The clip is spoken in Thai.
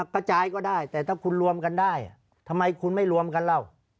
กระจายก็ได้แต่ถ้าคุณรวมกันได้ทำไมคุณไม่รวมกันแล้ว